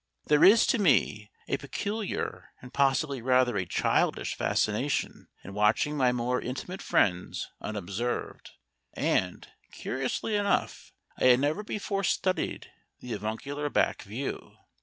There is, to me, a peculiar and possibly rather a childish fascination in watching my more intimate friends unobserved, and, curiously enough, I had never before studied the avuncular back view.